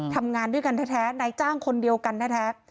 ทำงานด้วยกันแท้นายจ้างคนเดียวกันแท้